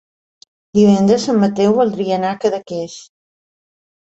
Divendres en Mateu voldria anar a Cadaqués.